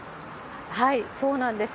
そうなんです。